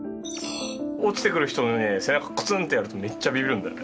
落ちてくる人のね背中コツンってやるとめっちゃビビるんだよね。